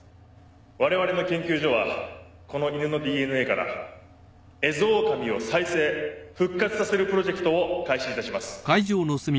我々の研究所はこの犬のＤＮＡからエゾオオカミを再生・復活させるプロジェクトを開始いたします。